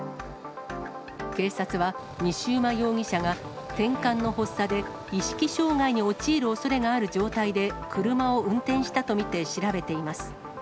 警察は、西馬容疑者がてんかんの発作で意識障害に陥るおそれがある状態で車を運転したと見て調べています。